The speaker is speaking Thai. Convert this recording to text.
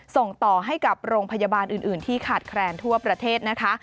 ส่งต่อให้กับโรงพยาบาลอื่นที่ขาดแคลนทั่วประเทศนะคะ